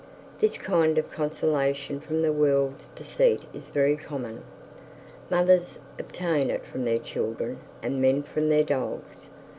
This kind of consolation from the world's deceit is very common. Mothers obtain it from their children, and men from their dogs.